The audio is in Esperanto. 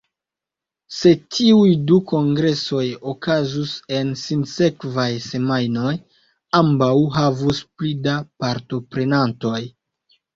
Se tiuj du kongresoj okazus en sinsekvaj semajnoj, ambaŭ havus pli da partoprenantoj.